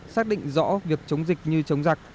xác định rõ việc chống dịch như chống giặc